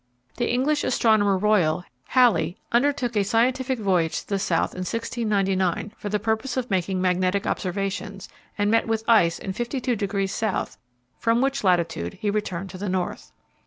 The English Astronomer Royal, Halley, undertook a scientific voyage to the South in 1699 for the purpose of making magnetic observations, and met with ice in 52° S., from which latitude he returned to the north.